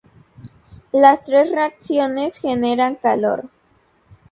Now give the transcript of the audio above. Las tres reacciones generan calor.